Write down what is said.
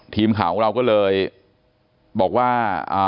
ทีมข่าวของเราก็เลยบอกว่า